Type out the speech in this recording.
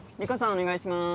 お願いします